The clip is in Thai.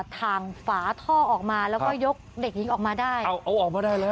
ทางฝาท่อออกมาแล้วก็ยกเด็กหญิงออกมาได้เอาเอาออกมาได้แล้ว